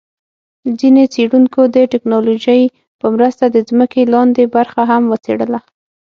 ځیني څېړونکو د ټیکنالوجۍ په مرسته د ځمکي لاندي برخه هم وڅېړله